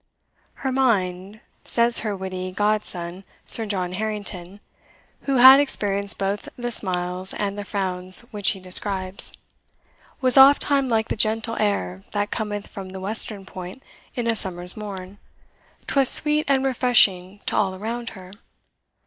"Her mind," says her witty godson, Sir John Harrington, who had experienced both the smiles and the frowns which he describes, "was ofttime like the gentle air that cometh from the western point in a summer's morn 'twas sweet and refreshing to all around her.